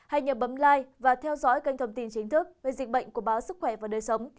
hãy nhớ bấm like và theo dõi kênh thông tin chính thức về dịch bệnh của báo sức khỏe và đời sống